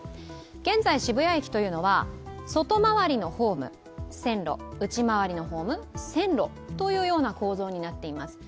現在渋谷駅は外回りのホーム、線路、内回りのホーム、線路という構造になっています。